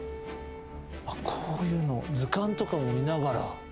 こういうのを図鑑とかを見ながら。